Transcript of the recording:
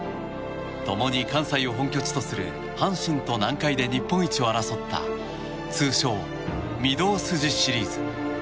共に関西を本拠地とする阪神と南海で日本一を争った通称・御堂筋シリーズ。